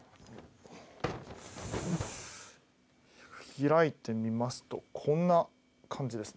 開いてみますとこんな感じです。